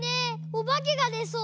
おばけがでそう。